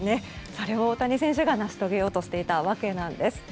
それを大谷選手が成し遂げようとしていたわけなんです。